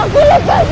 mereka akan cermin